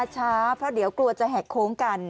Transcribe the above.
ช้าเพราะเดี๋ยวกลัวจะแหกโค้งกัน